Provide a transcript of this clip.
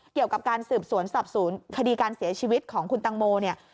เกี่ยวกับการสืบสวนสอบสวนคดีการเสียชีวิตของคุณตังโมเนี่ย